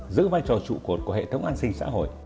giữ vai trò trụ cột của hệ thống an sinh xã hội